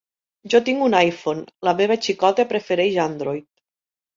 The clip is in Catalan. Jo tinc un iPhone. La meva xicota prefereix Android.